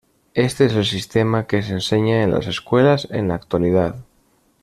Éste es el sistema que se enseña en las escuelas en la actualidad.